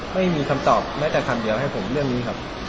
ไม่มีคำตอบแม้แต่คำเดียวให้ผมเรื่องนี้ครับ